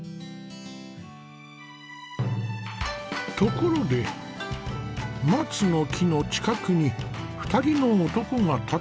ところで松の木の近くに２人の男が立っている。